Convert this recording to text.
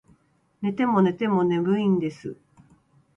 寝ても寝ても眠いんです